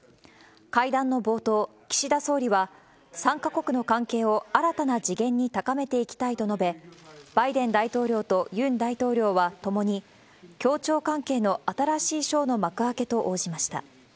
会談の冒頭、岸田総理は、３か国の関係を新たな次元に高めていきたいと述べ、バイデン大統領とユン大統領は共に協調関係の新しい章の幕開けと応じました。